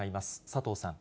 佐藤さん。